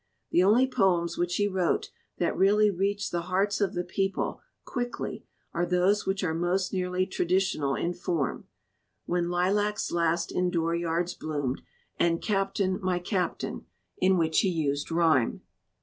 The only poems which he wrote that really reached the hearts of the people quickly are those which are most nearly traditional in form When Lilacs Last in Door yards Bloomed and Captain, My Captain! in which he used rhyme.